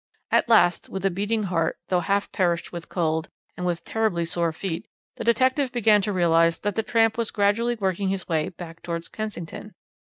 "At last, with a beating heart, though half perished with cold, and with terribly sore feet, the detective began to realize that the tramp was gradually working his way back towards Kensington.